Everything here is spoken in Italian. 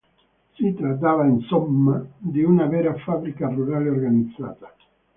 Si trattava, insomma, di una vera fabbrica rurale organizzata.